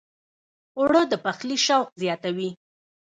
اوړه د پخلي شوق زیاتوي